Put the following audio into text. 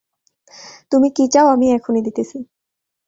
তুমি কি চাও আমি এখনি দিতেছি।